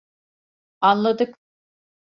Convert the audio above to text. Anladık.